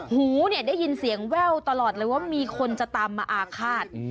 หูเนี่ยได้ยินเสียงแว่วตลอดเลยว่ามีคนจะตามมาอาฆาต